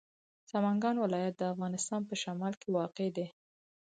سمنګان ولایت د افغانستان په شمال کې واقع دی.